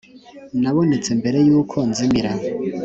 nabonetse mbere yuko nzimira